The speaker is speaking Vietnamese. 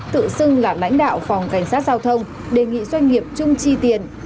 tự xưng là lãnh đạo phòng cảnh sát giao thông đề nghị doanh nghiệp chung chi tiền